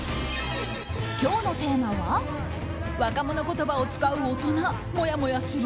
今日のテーマは若者言葉を使う大人もやもやする？